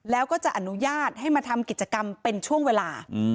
แล้วก็จะอนุญาตให้มาทำกิจกรรมเป็นช่วงเวลา